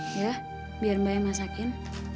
ya biar mbaknya masakin